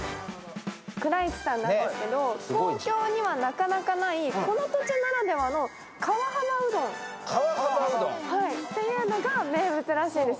久良一さんなんですけど、東京にはなかなかないこの土地ならではの川幅うどんというのが名物らしいです。